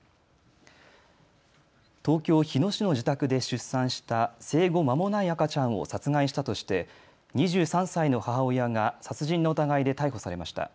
東京日野市の自宅で出産した生後まもない赤ちゃんを殺害したとして２３歳の母親が殺人の疑いで逮捕されました。